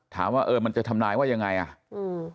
ถามว่าเออมันจะทำนายว่ายังไงอ่ะอืม